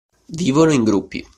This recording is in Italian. Vivono in gruppi.